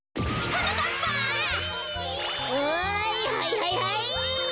はいはいはいはい！